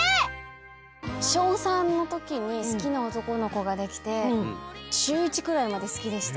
小３のときに好きな男の子ができて中１くらいまで好きでした。